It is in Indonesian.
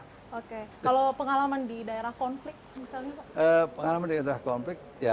oke kalau pengalaman di daerah konflik misalnya pak